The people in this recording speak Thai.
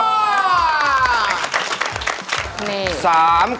อ้อปริศนมาหาสนุกทำอะไร